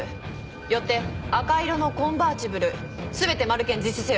よって赤色のコンバーティブル全てマル検実施せよ。